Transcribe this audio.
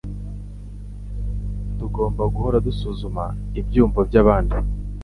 Tugomba guhora dusuzuma ibyiyumvo byabandi.